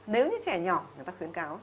nếu như trẻ nhỏ người ta khuyến cáo